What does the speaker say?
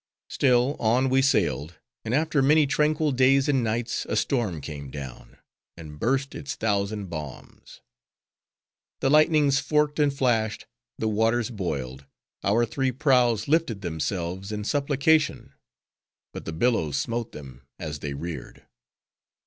Still on we sailed: and after many tranquil days and nights, a storm came down, and burst its thousand bombs. The lightnings forked and flashed; the waters boiled; our three prows lifted themselves in supplication; but the billows smote them as they reared.